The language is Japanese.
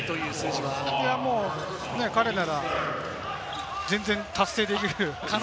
彼なら全然達成できる。